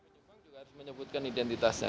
para sumbang juga harus menyebutkan identitasnya